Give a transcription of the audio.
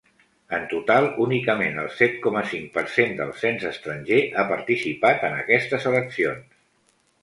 En total, únicament el set coma cinc per cent del cens estranger ha participat en aquestes eleccions.